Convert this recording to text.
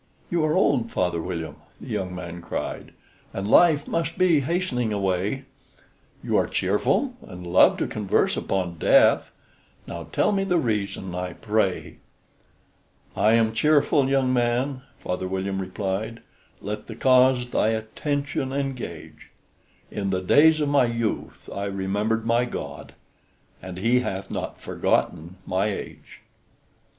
"You are old, Father William," the young man cried, "And life must be hastening away; You are cheerful, and love to converse upon death: Now tell me the reason, I pray." "I am cheerful, young man," Father William replied; "Let the cause thy attention engage: In the days of my youth I remembered my God; And he hath not forgotten my age."